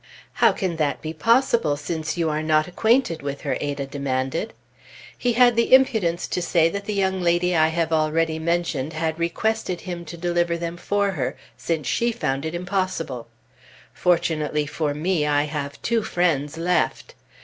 "How can that be possible, since you are not acquainted with her?" Ada demanded. He had the impudence to say that the young lady I have already mentioned had requested him to deliver them for her, since she found it impossible. Fortunately for me, I have two friends left.